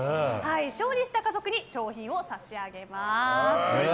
勝利した家族に賞品を差し上げます。